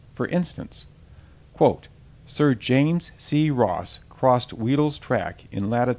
For instance: "Sir James C. Ross crossed Weddel's track in Lat.